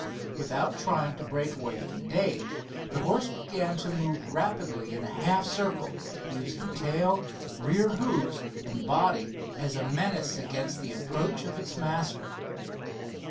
Without trying to break away from Dave the horse began to move rapidly in a half circle, using tail, rear hoofs and body as a menace against the approach of its master.